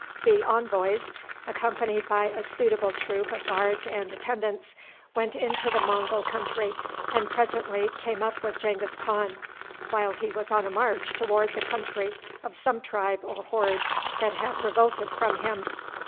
The envoys, accompanied by a suitable troop of guards and attendants, went into the Mongul country and presently came up with Genghis Khan, while he was on a march toward the country of some tribe or horde that had revolted from him.